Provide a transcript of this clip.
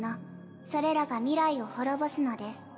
それらが未来を滅ぼすのです。